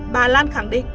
bà lan khẳng định